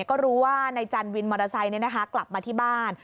ก็รู้ว่านายจันทร์วินมอเตอร์ไซค์กลับมาที่บ้าน